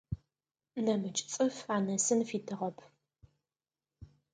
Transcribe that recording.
Нэмыкӏ цӏыф анэсын фитыгъэп.